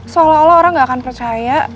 seolah olah orang nggak akan percaya